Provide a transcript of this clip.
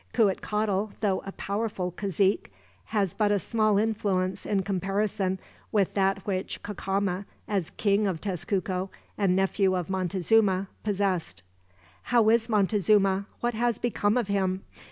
Cuitcatl, though a powerful cazique, has but small influence in comparison with that which Cacama, as King of Tezcuco and nephew of Montezuma, possessed." "How is Montezuma? What has become of him?